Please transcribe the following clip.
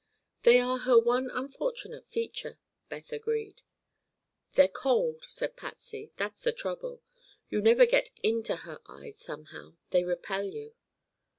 "They are her one unfortunate feature," Beth agreed. "They're cold," said Patsy; "that's the trouble. You never get into her eyes, somehow. They repel you."